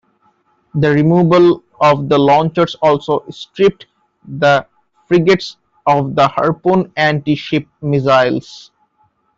The removal of the launchers also stripped the frigates of their Harpoon anti-ship missiles.